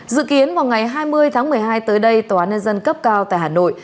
dự kiến vào ngày hai mươi tháng một mươi hai tới đây tòa án nhân dân cấp cao tại hà nội